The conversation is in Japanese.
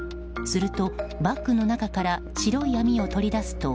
するとバッグの中から白い網を取り出すと。